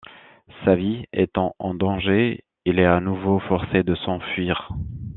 Sa vie étant en danger, il est à nouveau forcé de s'enfuir.